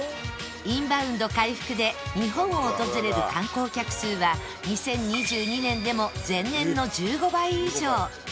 インバウンド回復で日本を訪れる観光客数は２０２２年でも前年の１５倍以上